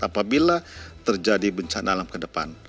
apabila terjadi bencana